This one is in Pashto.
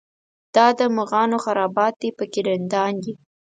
دا د مغانو خرابات دی په کې رندان دي.